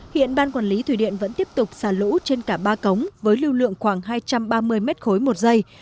hiện ban quản lý thủy điện vẫn tiếp tục xả lũ trên cả ba cống với lưu lượng khoảng hai trăm ba mươi mét khối một giây